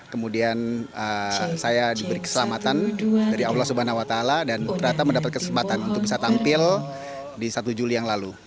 kemudian saya diberi keselamatan dari allah swt dan ternyata mendapat kesempatan untuk bisa tampil di satu juli yang lalu